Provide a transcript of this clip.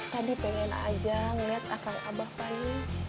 tadi pengen aja ngeliat akang abah pani